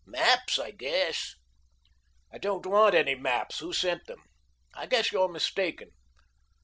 "Maps, I guess." "I don't want any maps. Who sent them? I guess you're mistaken."